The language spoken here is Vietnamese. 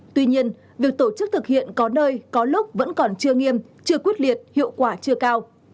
tuy nhiên việc tổ chức thực hiện có nơi có lúc vẫn còn chưa nghiêm chưa quyết liệt hiệu quả chưa cao